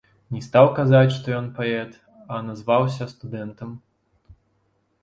Не стаў казаць, што ён паэт, а назваўся студэнтам.